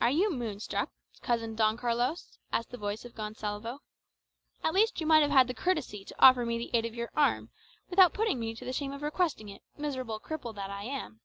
"Are you moonstruck, Cousin Don Carlos?" asked the voice of Gonsalvo. "At least you might have had the courtesy to offer me the aid of your arm, without putting me to the shame of requesting it, miserable cripple that I am!"